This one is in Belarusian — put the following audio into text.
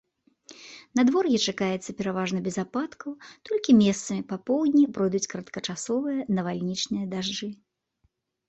Надвор'е чакаецца пераважна без ападкаў, толькі месцамі па поўдні пройдуць кароткачасовыя навальнічныя дажджы.